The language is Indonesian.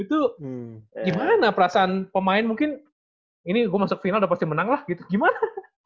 itu gimana perasaan pemain mungkin ini gue masuk final udah pasti menang lah gitu gimana